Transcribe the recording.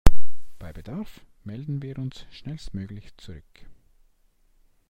Bei Bedarf melden wir uns schnellstmöglich zurück.